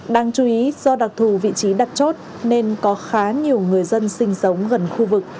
đáng chú ý do đặc thù vị trí đặt chốt nên có khá nhiều người dân sinh sống gần khu vực